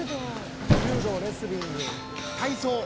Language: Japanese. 「柔道レスリング」「体操」